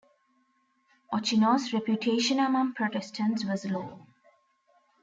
Ochino's reputation among Protestants was low.